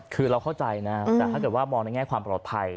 คือเราเข้าใจนะแต่ถ้าเกิดว่ามองในแง่ความปลอดภัย